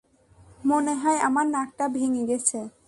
মনে হয়, আমার নাকটা ভেঙ্গে গেছে।